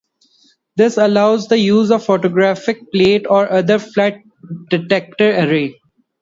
This allows the use of a photographic plate or other flat detector array.